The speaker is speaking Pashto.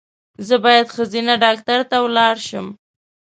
زه باید ښځېنه ډاکټر ته ولاړ شم